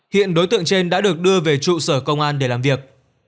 hiện đối tượng trên đã được đưa về trụ sở công an để làm việc